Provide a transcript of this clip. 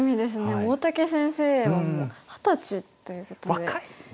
大竹先生は二十歳ということで。